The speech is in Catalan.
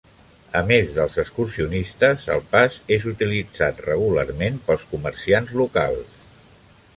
A més dels excursionistes, el pas és utilitzat regularment pels comerciants locals.